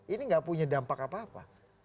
ini gak punya dampak apa apa